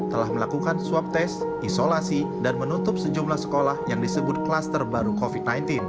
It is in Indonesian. telah melakukan swab test isolasi dan menutup sejumlah sekolah yang disebut klaster baru covid sembilan belas